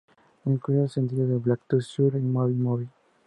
Incluye los sencillos 'Back to Zero' y 'Move Move'.